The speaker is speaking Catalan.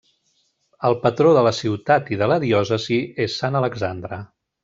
El patró de la ciutat i de la diòcesi és Sant Alexandre.